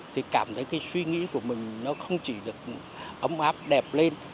thì cảm thấy cái suy nghĩ của mình nó không chỉ được ấm áp đẹp lên